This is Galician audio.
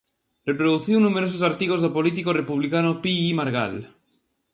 Reproduciu numerosos artigos do político republicano Pi i Margall.